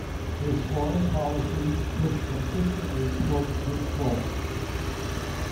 His foreign policies pushed consistently towards this goal.